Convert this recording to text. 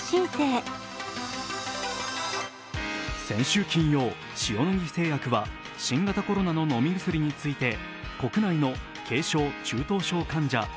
先週金曜、塩野義製薬は新型コロナの飲み薬について、国内の軽症・中等症患者